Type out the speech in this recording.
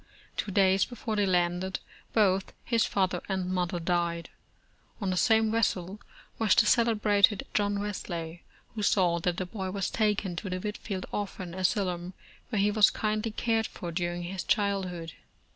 Two days before they landed, both his fath er and mother died. On the same vessel was the cele brated John Wesley, who saw that the boy was taken to the Whitefield Orphan Asylum, where he was kindly cared for during his childhood.